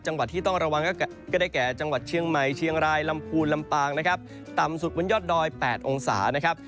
จังหวัดที่ต้องระวังก็ได้แก่จังหวัดเชียงใหม่เชียงรายลำพูนลำปางนะครับต่ำสุดบนยอดดอย๘องศานะครับ